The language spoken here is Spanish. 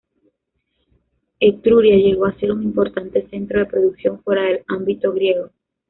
Etruria llegó a ser un importante centro de producción fuera del ámbito griego.